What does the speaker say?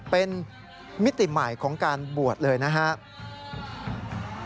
เป็นมิติใหม่ของการบวชเลยนะครับ